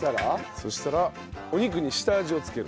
そしたらお肉に下味を付ける。